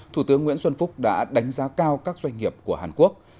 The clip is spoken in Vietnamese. thủ tướng nguyễn xuân phúc đã đánh giá cao các doanh nghiệp của hàn quốc